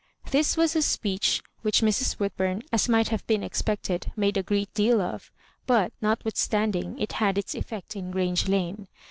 This was a speech Vhich Mrs. "Woodbum, as might have been expected, made a great deal of — but, notwithstanding, it had its effect in Grange Lane.